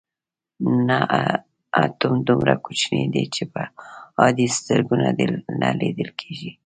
نه اتوم دومره کوچنی دی چې په عادي سترګو نه لیدل کیږي.